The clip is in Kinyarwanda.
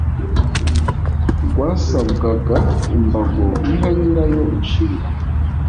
rwasabwaga imbago iha nyirayo inshingano